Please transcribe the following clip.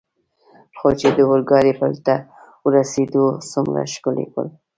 څو چې د اورګاډي پل ته ورسېدو، څومره ښکلی پل.